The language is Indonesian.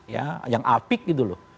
ya yang apik gitu loh